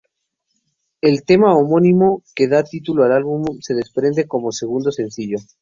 El tema homónimo que da titulo al álbum se desprende en como segundo sencillo.